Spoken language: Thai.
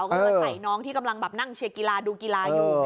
ก็เลยใส่น้องที่กำลังแบบนั่งเชียร์กีฬาดูกีฬาอยู่